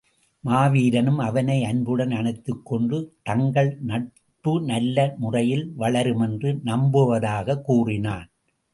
மாவீரனும் அவனை அன்புடன் அனைத்துக்கொண்டு தங்கள் நட்பு நல்ல முறையில் வளருமென்று நம்புவதாகக் கூறினான்.